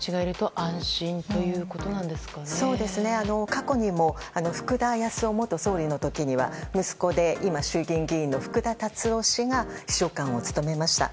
過去にも福田康夫元総理の時には息子で今、衆議院議員の福田達夫氏が秘書官を務めました。